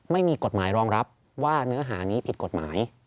ไม่มีกฎหมายรองรับว่าเนื้อหานี้ผิดกฎหมาย